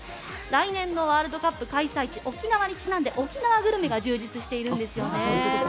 来年のワールドカップ開催地沖縄にちなんで沖縄グルメが充実しているんですよね。